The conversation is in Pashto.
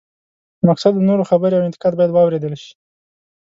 مقصد د نورو خبرې او انتقاد باید واورېدل شي.